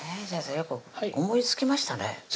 よく思いつきましたね